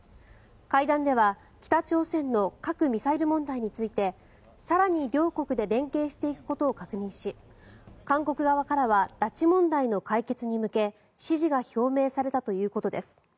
会談では、北朝鮮の核・ミサイル問題について更に、両国で連携していくことを確認し韓国側からは拉致問題の解決に向け支持が表明されたということです。